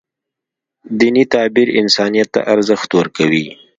دیني تعبیر انسانیت ته ارزښت ورکوي.